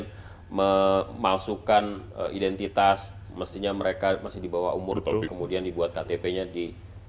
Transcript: kemudian memalsukan identitas mestinya mereka masih di bawah umur kemudian dibuat ktp nya di